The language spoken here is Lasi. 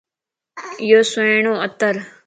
ايو سھڻو عطرَ